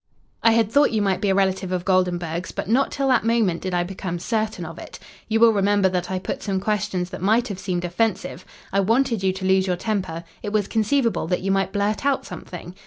I had thought you might be a relative of Goldenburg's, but not till that moment did I become certain of it. You will remember that I put some questions that might have seemed offensive. I wanted you to lose your temper it was conceivable that you might blurt out something.